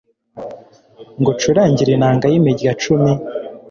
ngucurangire inanga y’imirya cumi